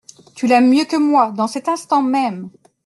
Tu l'aimes mieux que moi, dans cet instant même!